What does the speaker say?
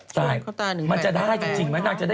อยากเข้าตาหนึ่งแฟนอ้างนะครับ